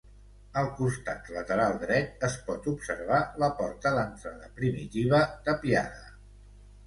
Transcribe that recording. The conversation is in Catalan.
Al costat lateral dret es pot observar la porta d'entrada primitiva tapiada.